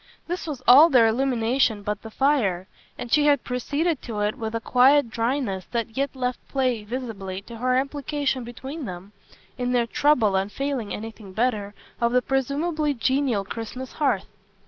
This was all their illumination but the fire, and she had proceeded to it with a quiet dryness that yet left play, visibly, to her implication between them, in their trouble and failing anything better, of the presumably genial Christmas hearth.